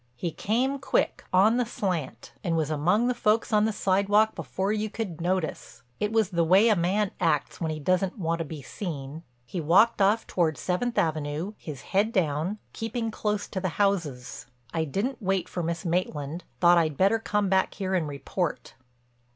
He came quick, on the slant, and was among the folks on the sidewalk before you could notice. It was the way a man acts when he doesn't want to be seen. He walked off toward Seventh Avenue, his head down, keeping close to the houses. I didn't wait for Miss Maitland—thought I'd better come back here and report."